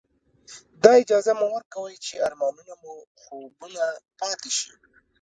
دا اجازه مه ورکوئ چې ارمانونه مو خوبونه پاتې شي.